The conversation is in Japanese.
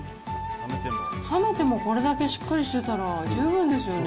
冷めても、これだけしっかりしてたら、十分ですよね。